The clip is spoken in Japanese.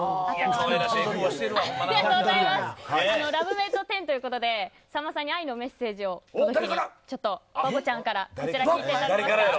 ラブメイト１０ということでさんまさんに愛のメッセージを届けにバボちゃんから聞いてください。